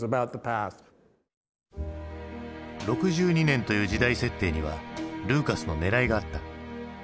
６２年という時代設定にはルーカスのねらいがあった。